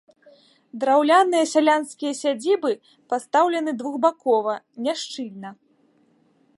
Драўляныя сялянскія сядзібы пастаўлены двухбакова, няшчыльна.